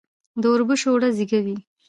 د اوربشو اوړه زیږه وي.